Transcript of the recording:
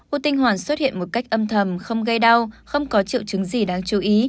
u tinh hoàn xuất hiện một cách âm thầm không gây đau không có triệu chứng gì đáng chú ý